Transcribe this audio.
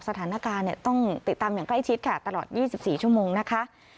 สถานการณ์ต้องติดตามอย่างใกล้ชิดค่ะตลอด๒๔ชั่วโมงนะคะ